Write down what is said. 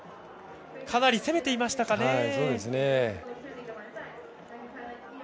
かなり攻めていましたかね。